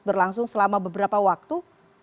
berlangsung selama beberapa waktu